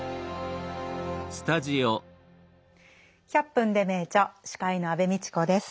「１００分ｄｅ名著」司会の安部みちこです。